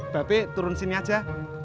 bape turun sini aja